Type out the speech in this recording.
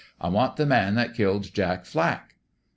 I want the man that killed Jack Flack.'